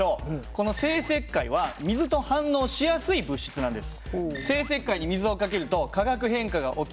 この生石灰は水と反応しやすい物質なんです。